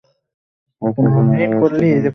দেখ আজ আমার অবস্থাটা কেমন।